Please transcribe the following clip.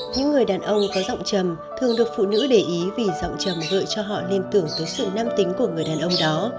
những người đàn ông có giọng trầm thường được phụ nữ để ý vì giọng trầm gợi cho họ liên tưởng tới sự nam tính của người đàn ông đó